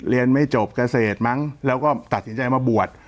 เรียนไม่จบเกษตรมั้งแล้วก็ตัดสินใจมาบวช